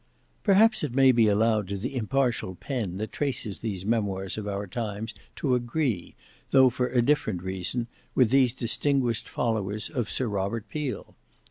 Perhaps it may be allowed to the impartial pen that traces these memoirs of our times to agree, though for a different reason, with these distinguished followers of Sir Robert Peel.